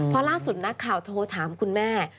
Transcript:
เพราะล่าสุดนักข่าวโทรถามคุณแม่